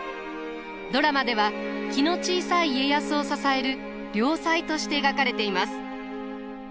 ドラマでは気の小さい家康を支える良妻として描かれています。